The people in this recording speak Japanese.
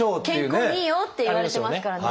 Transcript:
健康にいいよっていわれてますから。